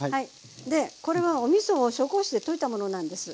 でこれはおみそを紹興酒で溶いたものなんです。